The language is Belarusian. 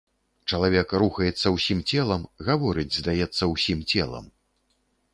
Чалавек рухаецца ўсім целам, гаворыць, здаецца, усім целам.